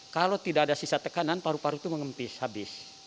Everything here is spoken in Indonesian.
kalau tidak ada sisa tekanan paru paru itu mengempis habis